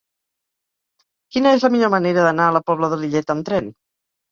Quina és la millor manera d'anar a la Pobla de Lillet amb tren?